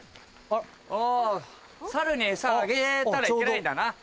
お猿に餌あげたらいけないんだな。